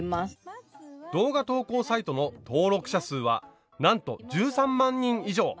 動画投稿サイトの登録者数はなんと１３万人以上！